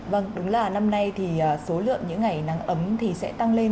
vâng đúng là năm nay thì số lượng những ngày nắng ấm thì sẽ tăng lên